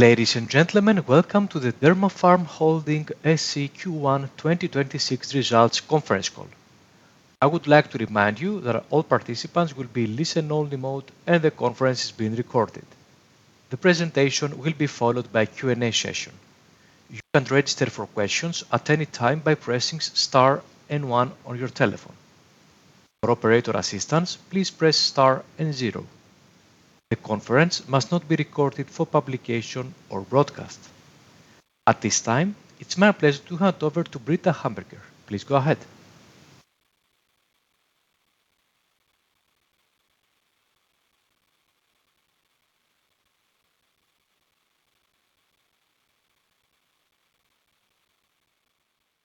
Ladies and gentlemen, welcome to the Dermapharm Holding SE Q1 2026 results conference call. I would like to remind you that all participants will be listen-only mode, and the conference is being recorded. The presentation will be followed by Q and A session. You can register for questions at any time by pressing star and one on your telephone. For operator assistance, please press star and zero. The conference must not be recorded for publication or broadcast. At this time, it's my pleasure to hand over to Britta Hamberger. Please go ahead.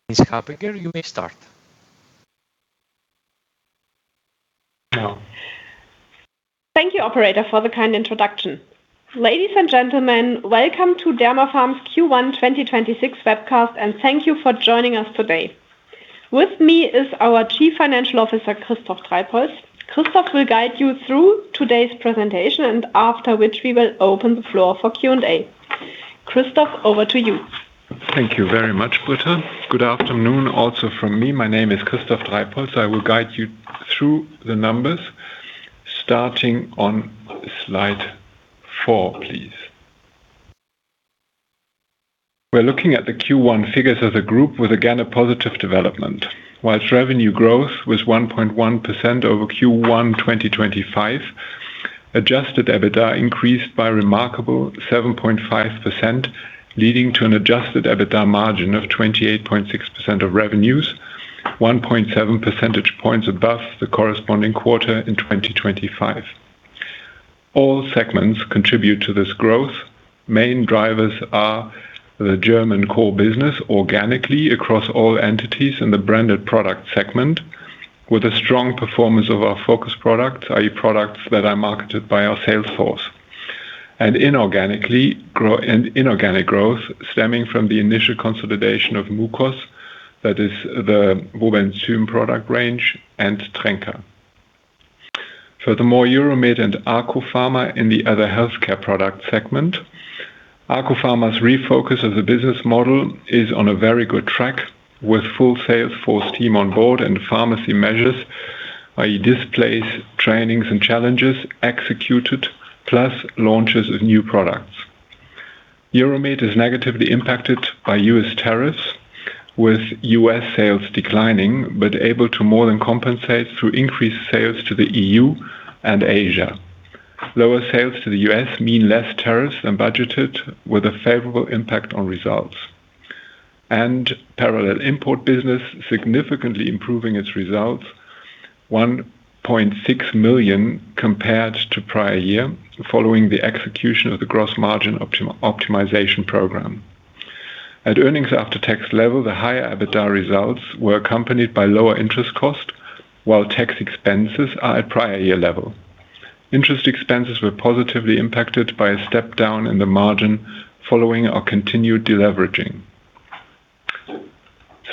Ms. Hamberger, you may start. Thank you, operator, for the kind introduction. Ladies and gentlemen, welcome to Dermapharm's Q1 2026 webcast, and thank you for joining us today. With me is our Chief Financial Officer, Christof Dreibholz. Christof will guide you through today's presentation, and after which we will open the floor for Q and A. Christof, over to you. Thank you very much, Britta. Good afternoon also from me. My name is Christof Dreibholz. I will guide you through the numbers starting on slide four, please. We're looking at the Q1 figures as a group with again a positive development. While revenue growth was 1.1% over Q1 2025, Adjusted EBITDA increased by remarkable 7.5%, leading to an Adjusted EBITDA margin of 28.6% of revenues, 1.7 percentage points above the corresponding quarter in 2025. All segments contribute to this growth. Main drivers are the German core business organically across all entities in the branded product segment, with a strong performance of our focus products, i.e., products that are marketed by our sales force. Inorganic growth stemming from the initial consolidation of Mucos, that is the Wobenzym product range, and Trenka. Furthermore, Euromed and Arkopharma in the other healthcare products segment. Arkopharma's refocus as a business model is on a very good track with full sales force team on board and pharmacy measures, i.e., displays, trainings, and challenges executed plus launches of new products. Euromed is negatively impacted by U.S. tariffs, with U.S. sales declining but able to more than compensate through increased sales to the EU and Asia. Lower sales to the U.S. mean less tariffs than budgeted, with a favorable impact on results. Parallel import business significantly improving its results, 1.6 million compared to prior year following the execution of the gross margin optimization program. At earnings after tax level, the higher EBITDA results were accompanied by lower interest cost, while tax expenses are at prior year level. Interest expenses were positively impacted by a step down in the margin following our continued deleveraging.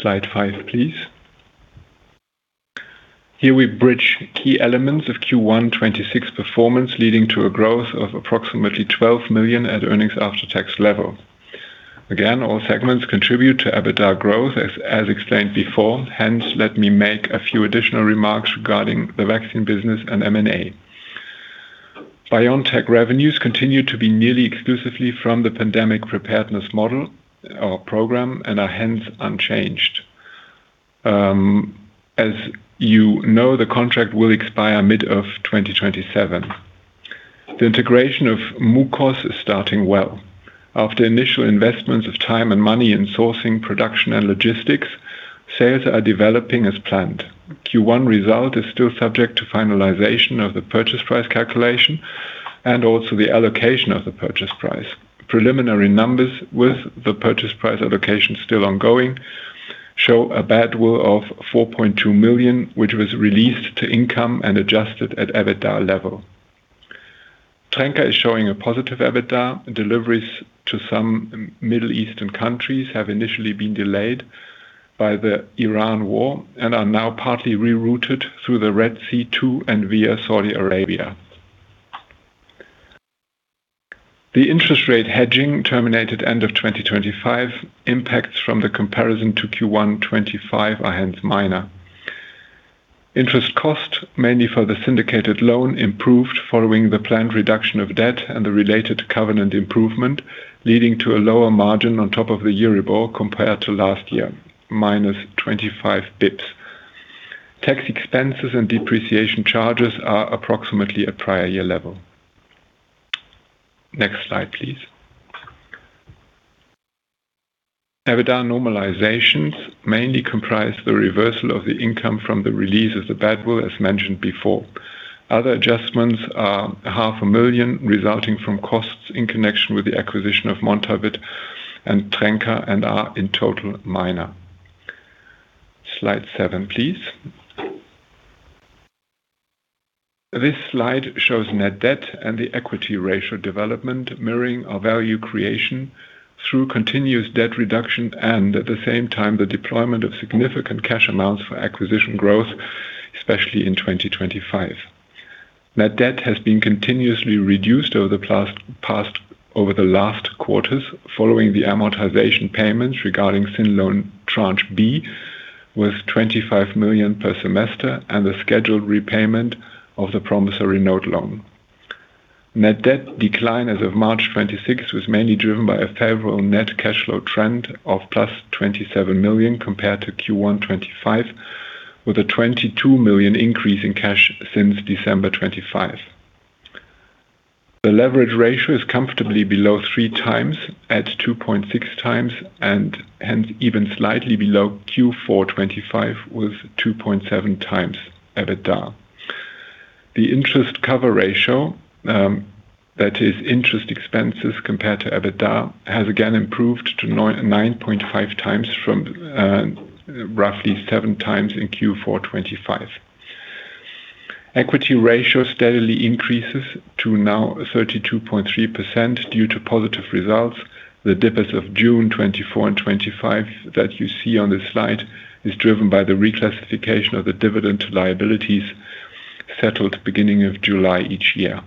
Slide five, please. Here we bridge key elements of Q1 2026 performance leading to a growth of approximately 12 million at earnings after tax level. Again, all segments contribute to EBITDA growth as explained before. Let me make a few additional remarks regarding the vaccine business and M&A. BioNTech revenues continue to be nearly exclusively from the Pandemic Preparedness Model or Program and are hence unchanged. As you know, the contract will expire mid of 2027. The integration of Mucos is starting well. After initial investments of time and money in sourcing, production, and logistics, sales are developing as planned. Q1 result is still subject to finalization of the purchase price calculation and also the allocation of the purchase price. Preliminary numbers with the purchase price allocation still ongoing show a goodwill of 4.2 million, which was released to income and adjusted at EBITDA level. Trenka is showing a positive EBITDA. Deliveries to some Middle Eastern countries have initially been delayed by the Iran war and are now partly rerouted through the Red Sea to and via Saudi Arabia. The interest rate hedging terminated end of 2025. Impacts from the comparison to Q1 2025 are hence minor. Interest cost mainly for the syndicated loan improved following the planned reduction of debt and the related covenant improvement, leading to a lower margin on top of the Euribor compared to last year, -25 basis points. Tax expenses and depreciation charges are approximately at prior year level. Next slide, please. EBITDA normalizations mainly comprise the reversal of the income from the release of the goodwill as mentioned before. Other adjustments are half a million resulting from costs in connection with the acquisition of Montavit and Trenka and are in total minor. Slide seven, please. This slide shows net debt and the equity ratio development mirroring our value creation through continuous debt reduction and at the same time the deployment of significant cash amounts for acquisition growth, especially in 2025. Net debt has been continuously reduced over the past over the last quarters following the amortization payments regarding the loan tranche B with 25 million per semester and the scheduled repayment of the promissory note loan. Net debt decline as of March 26 was mainly driven by a favorable net cash flow trend of plus 27 million compared to Q1 2025, with a 22 million increase in cash since December 2025. The leverage ratio is comfortably below 3 times at 2.6 times, and even slightly below Q4 2025, with 2.7 times EBITDA. The interest cover ratio, that is interest expenses compared to EBITDA, has again improved to 9.5 times from roughly 7 times in Q4 2025. Equity ratio steadily increases to now 32.3% due to positive results. The dip as of June 2024 and 2025 that you see on this slide is driven by the reclassification of the dividend liabilities settled beginning of July each year.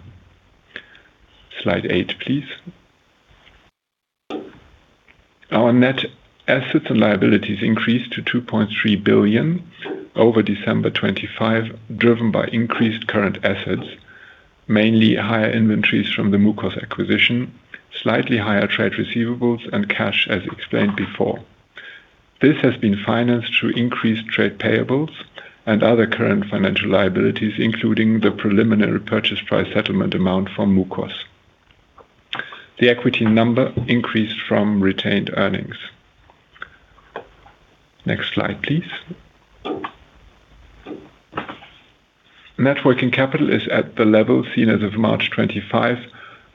Slide eight, please. Our net assets and liabilities increased to 2.3 billion over December 2025, driven by increased current assets, mainly higher inventories from the Mucos acquisition, slightly higher trade receivables, and cash as explained before. This has been financed through increased trade payables and other current financial liabilities, including the preliminary purchase price settlement amount from Mucos. The equity number increased from retained earnings. Next slide, please. Net working capital is at the level seen as of March 25,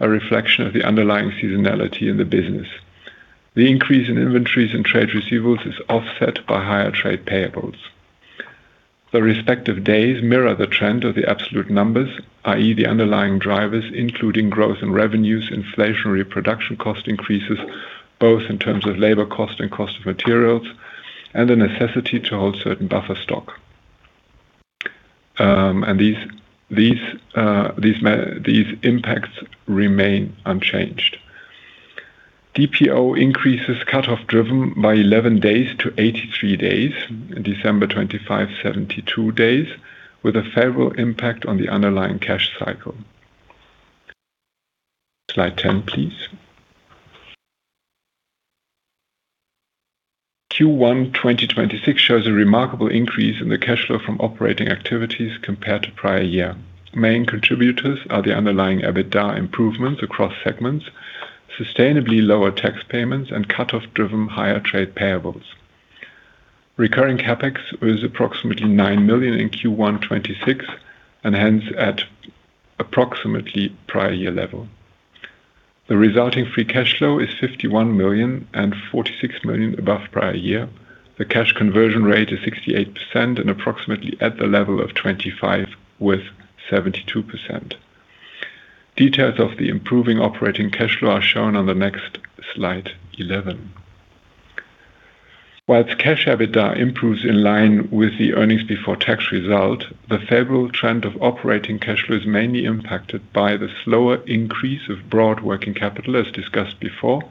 a reflection of the underlying seasonality in the business. The increase in inventories and trade receivables is offset by higher trade payables. The respective days mirror the trend of the absolute numbers, i.e., the underlying drivers, including growth in revenues, inflationary production cost increases, both in terms of labor cost and cost of materials, and the necessity to hold certain buffer stock. These impacts remain unchanged. DPO increases cut-off driven by 11 days to 83 days, December 25, 72 days, with a favorable impact on the underlying cash cycle. Slide 10, please. Q1 2026 shows a remarkable increase in the cash flow from operating activities compared to prior year. Main contributors are the underlying EBITDA improvements across segments, sustainably lower tax payments, and cut-off driven higher trade payables. Recurring CapEx was approximately 9 million in Q1 2026 and hence at approximately prior year level. The resulting free cash flow is 51 million and 46 million above prior year. The cash conversion rate is 68% and approximately at the level of 2025, with 72%. Details of the improving operating cash flow are shown on the next slide 11. Whilst cash EBITDA improves in line with the earnings before tax result, the favorable trend of operating cash flow is mainly impacted by the slower increase of broad working capital, as discussed before,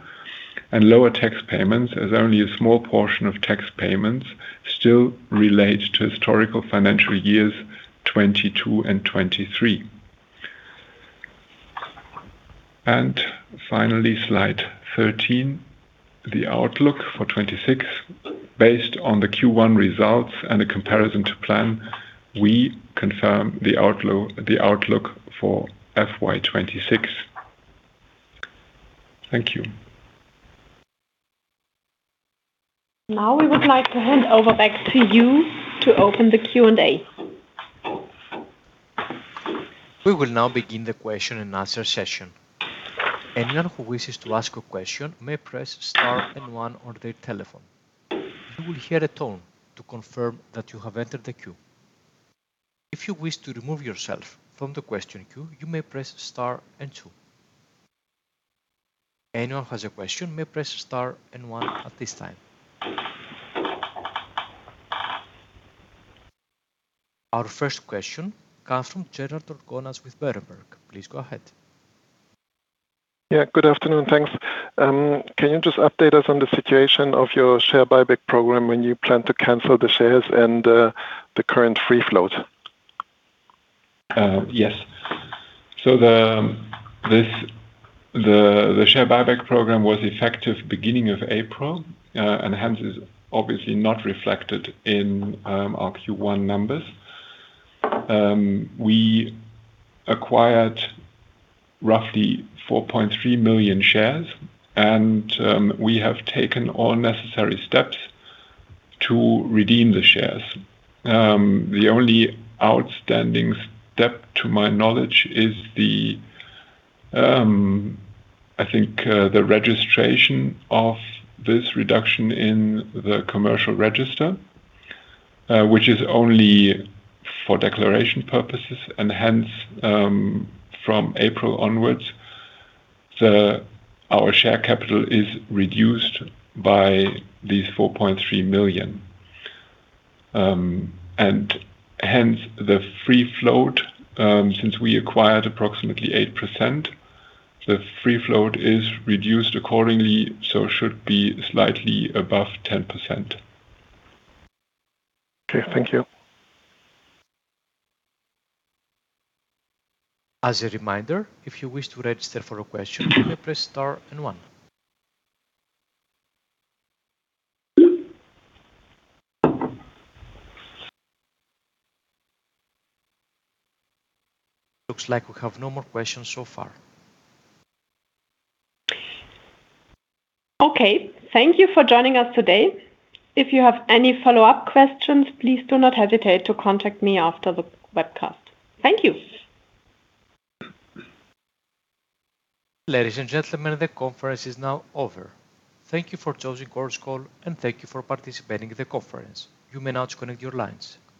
and lower tax payments, as only a small portion of tax payments still relate to historical financial years 2022 and 2023. Finally, slide 13, the outlook for 2026. Based on the Q1 results and a comparison to plan, we confirm the outlook for FY 2026. Thank you. Now we would like to hand over back to you to open the Q and A. We will now begin the question-and-answer session. Anyone who wishes to ask a question may press star and one on their telephone. You will hear a tone to confirm that you have entered the queue. If you wish to remove yourself from the question queue, you may press star and two. Anyone who has a question may press star and one at this time. Our first question comes from Gerhard Orgonas with Berenberg. Please go ahead. Yeah. Good afternoon. Thanks. Can you just update us on the situation of your share buyback program when you plan to cancel the shares and, the current free float? Yes. The share buyback program was effective beginning of April, and hence is obviously not reflected in our Q1 numbers. We acquired roughly 4.3 million shares, and we have taken all necessary steps to redeem the shares. The only outstanding step to my knowledge is the registration of this reduction in the commercial register, which is only for declaration purposes. Hence, from April onwards, our share capital is reduced by these 4.3 million. Hence the free float, since we acquired approximately 8%, the free float is reduced accordingly, so should be slightly above 10%. Okay. Thank you. As a reminder if you wish to ask a question several press star and one. Looks like we have no more questions so far. Okay. Thank you for joining us today. If you have any follow-up questions, please do not hesitate to contact me after the webcast. Thank you. Ladies and gentlemen, the conference is now over. Thank you for choosing Chorus Call, and thank you for participating in the conference. You may now disconnect your lines. Goodbye.